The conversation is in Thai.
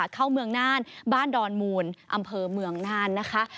เข้าเมืองน่านบ้านดอนมูลอำเภอเมืองน่านนะคะ